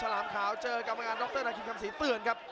ล้ามขาวเจอกับกำลังงานดรนาคิมคำสีเตือนครับ